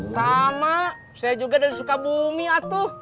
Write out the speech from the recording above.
sama saya juga dari sukabumi atuh